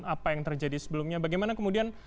apa yang terjadi sebelumnya bagaimana kemudian